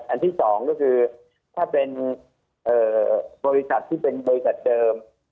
อันที่สองก็คือถ้าเป็นบริษัทที่เป็นบริษัทเดิม